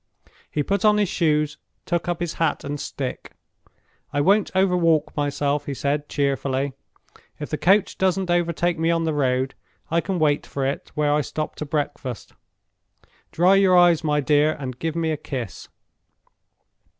He put on his shoes, and took up his hat and stick. "I won't overwalk myself," he said, cheerfully. "If the coach doesn't overtake me on the road, I can wait for it where I stop to breakfast. Dry your eyes, my dear, and give me a kiss."